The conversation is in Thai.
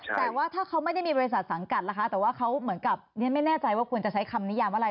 แต่ว่าถ้าเขาไม่ได้มีบริษัทสังกัดล่ะคะแต่ว่าเขาเหมือนกับไม่แน่ใจว่าควรจะใช้คำนิยามอะไร